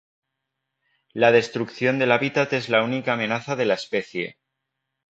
La destrucción del hábitat es la única amenaza de la especie.